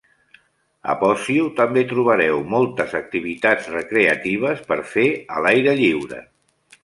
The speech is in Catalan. A Posio també trobareu moltes activitats recreatives per fer a l'aire lliure.